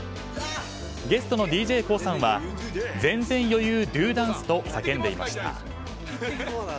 ゲストのＤＪＫＯＯさんは全然余裕ＤＯＤＡＮＣＥ！と叫んでいました。